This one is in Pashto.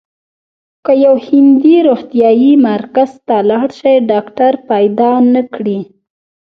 که یو هندی روغتیايي مرکز ته لاړ شي ډاکټر پیدا نه کړي.